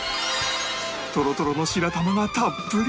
トロトロの白玉がたっぷり